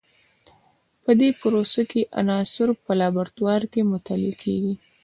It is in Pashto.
په دې پروسه کې عناصر په لابراتوار کې مطالعه کیږي.